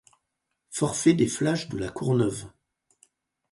Forfait des Flash de la Courneuve.